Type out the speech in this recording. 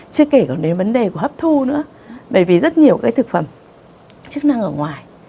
chứ kể còn đến vấn đề của hấp thu nữa bởi vì rất nhiều cái thực phẩm chức năng ở ngoài